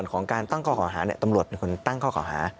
ของการตั้งข้อก่อหาตำรวจเป็นคนตั้งข้อเก่าหา